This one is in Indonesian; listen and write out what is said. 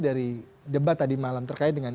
dari debat tadi malam terkait dengan